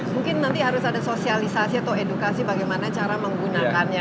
mungkin nanti harus ada sosialisasi atau edukasi bagaimana cara menggunakannya